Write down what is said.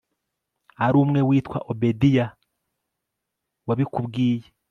ari umwe witwa obedia wabikubwiye